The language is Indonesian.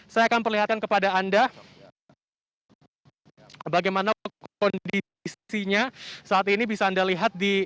saya akan perlihatkan kepada anda bagaimana kondisinya saat ini bisa anda lihat di